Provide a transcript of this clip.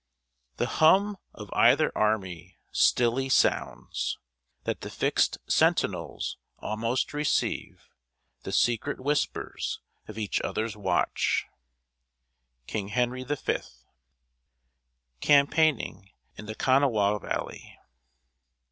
The hum of either army stilly sounds, That the fixed sentinels almost receive The secret whispers of each other's watch. KING HENRY V. [Sidenote: CAMPAIGNING IN THE KANAWHA VALLEY.